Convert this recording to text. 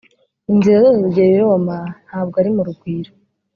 Inzira zose zigera i Roma ntabwo ari mu Rugwiro